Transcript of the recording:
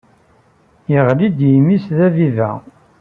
Yeɣli-d yimi-s d abiba.